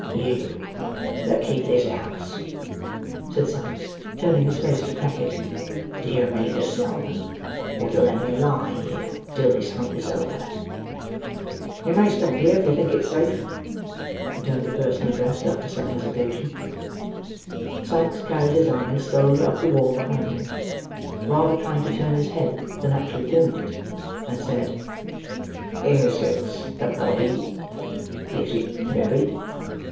"You that keep this house," said Sikes, turning his face to Crackit, "do you mean to sell me, or to let me lie here till this hunt is over?" "You may stop here, if you think it safe," returned the person addressed, after some hesitation. Sikes carried his eyes slowly up the wall behind him: rather trying to turn his head than actually doing it: and said, "Is—it—the body—is it buried?"